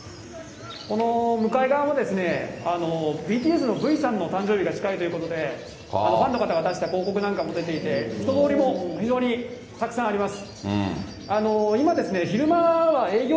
この向かい側も、ＢＴＳのブイさんの誕生日も近いということで、ファンの方が出した広告なんかも出ていて、人通りも非常にたくさんあります。